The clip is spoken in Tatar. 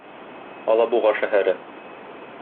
Алабуга шәһәре.